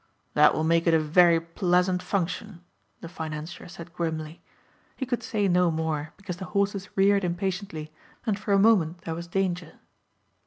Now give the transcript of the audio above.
"That will make it a very pleasant function," the financier said grimly. He could say no more because the horses reared impatiently and for a moment there was danger.